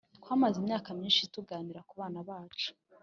Twamaze imyaka myinshi tuganira ku bana bacu